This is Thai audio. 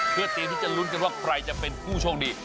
เพื่อเตรียมที่จะลุ้นกันว่าใครจะเป็นผู้โชคดี